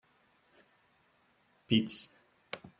Pits.